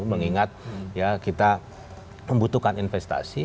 mengingat ya kita membutuhkan investasi